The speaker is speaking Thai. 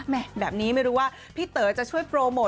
แบบนี้ไม่รู้ว่าพี่เต๋อจะช่วยโปรโมท